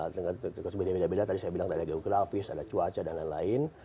dengan beda beda tadi saya bilang ada geografis ada cuaca dan lain lain